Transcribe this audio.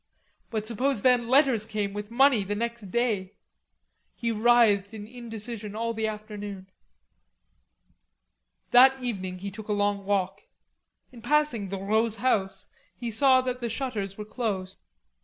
But suppose then letters came with money the next day. He writhed in indecision all the afternoon. That evening he took a long walk. In passing the Rods' house he saw that the shutters were closed.